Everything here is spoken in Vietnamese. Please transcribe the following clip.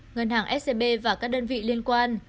ngân hàng scb và các đơn vị liên quan